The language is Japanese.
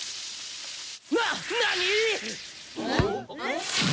な何！？